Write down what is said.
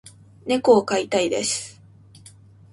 猫を飼いたいです。